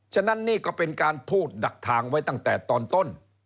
ฉะนั้นนี่ก็เป็นการพูดดักทางไว้ตั้งแต่ตอนต้น